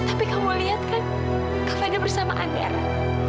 tapi kamu lihat kan kak fadil bersama andara